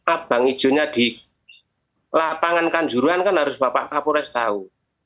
abang ijonnya di lapangan kanjuruan kan harus bapak kapolres tahu